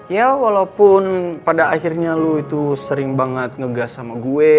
ya walaupun pada akhirnya lo itu sering banget ngegas sama gue